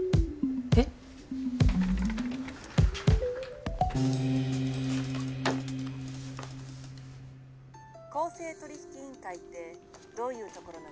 えっ？公正取引委員会ってどういうところなんですか？